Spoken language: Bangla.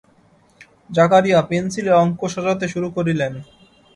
জাকারিয়া পেন্সিলে অঙ্ক সাজাতে শুরু করলেন।